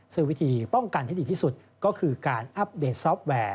ซึ่งวิธีป้องกันที่ดีที่สุดก็คือการอัปเดตซอฟต์แวร์